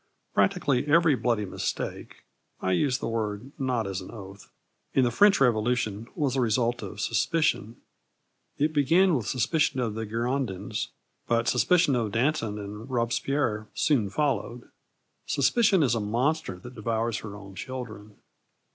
Practically, every bloody mistake I use the word not as an oath in the French Revolution was the result of suspicion. It began with suspicion of the Girondins; but suspicion of Danton and Robespierre soon followed. Suspicion is a monster that devours her own children.